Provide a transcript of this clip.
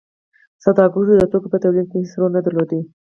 سوداګرو د توکو په تولید کې هیڅ رول نه درلود.